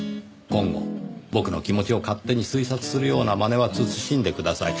今後僕の気持ちを勝手に推察するようなまねは慎んでください。